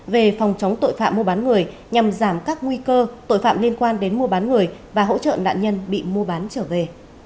về phòng chống tội phạm mua bán người nhằm giảm các nguy cơ tội phạm liên quan đến mua bán người và hỗ trợ nạn nhân bị mua bán trở về